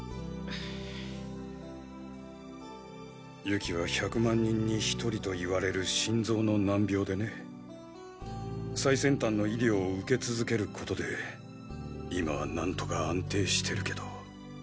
ユキは百万人に１人といわれる心臓の難病でね最先端の医療を受け続けることで今は何とか安定してるけど。